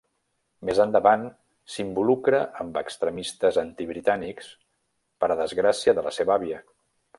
Més endavant, s'involucra amb extremistes antibritànics, per a desgràcia de la seva àvia.